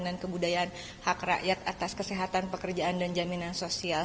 dan kebudayaan hak rakyat atas kesehatan pekerjaan dan jaminan sosial